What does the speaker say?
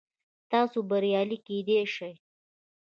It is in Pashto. تاسو بریالي کیدی شئ